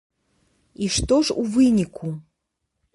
І што ж у выніку?